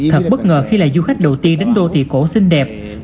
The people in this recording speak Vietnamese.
thật bất ngờ khi là du khách đầu tiên đến đô thị cổ xinh đẹp